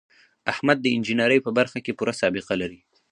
احمد د انجینرۍ په برخه کې پوره سابقه لري.